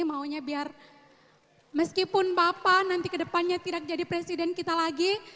maunya biar meskipun bapak nanti kedepannya tidak jadi presiden kita lagi